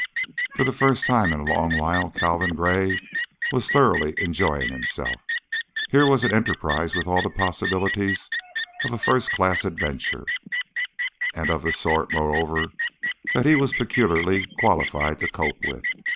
For the first time in a long while Calvin Gray was thoroughly enjoying himself. Here was an enterprise with all the possibilities of a first class adventure, and of the sort, moreover, that he was peculiarly qualified to cope with.